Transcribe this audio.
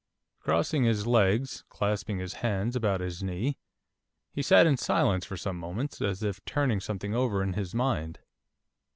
Crossing his legs, clasping his hands about his knee, he sat in silence for some moments, as if turning something over in his mind.